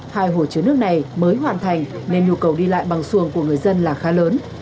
hai hồ chứa nước này mới hoàn thành nên nhu cầu đi lại bằng xuồng của người dân là khá lớn